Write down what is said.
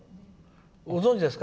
ご存じですか？